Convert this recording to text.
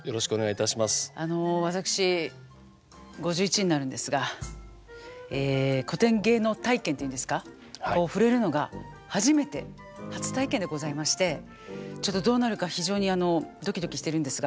あの私５１になるんですが古典芸能体験というんですか触れるのが初めて初体験でございましてちょっとどうなるか非常にドキドキしてるんですが。